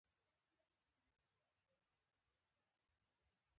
دا د کارګر او پانګه وال ترمنځ د اړیکو یوه بیلګه ده.